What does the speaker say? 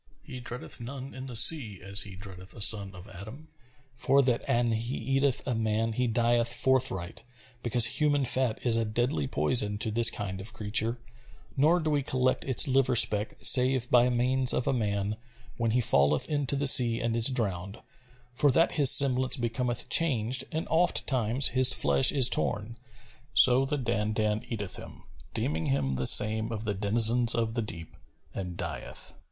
He dreadeth none in the sea as he dreadeth a son of Adam; for that an he eateth a man he dieth forthright, because human fat is a deadly poison to this kind of creature; nor do we collect its liver speck save by means of a man, when he falleth into the sea and is drowned; for that his semblance becometh changed and ofttimes his flesh is torn; so the Dandan eateth him, deeming him the same of the denizens of the deep, and dieth.